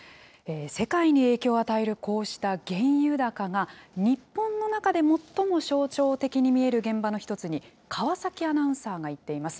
世界に影響を与えるこうした原油高が、日本の中で最も象徴的に見える現場の一つに川崎アナウンサーが行っています。